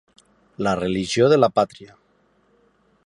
La religió de la pàtria.